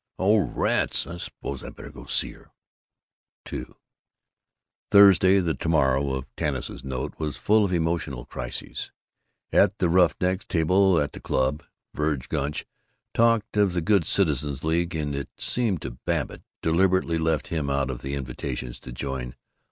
"Oh, rats, I suppose I better go see her." II Thursday, the to morrow of Tanis's note, was full of emotional crises. At the Roughnecks' Table at the club, Verg Gunch talked of the Good Citizens' League and (it seemed to Babbitt) deliberately left him out of the invitations to join.